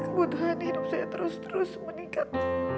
kebutuhan hidup saya terus terus meningkat